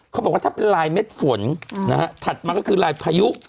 เขาบอกว่าถ้าเป็นลายเม็ดฝนนะฮะถัดมาก็คือลายพายุ